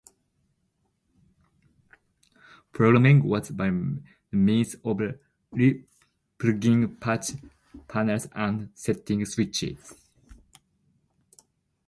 Programming was by means of re-plugging patch panels and setting switches.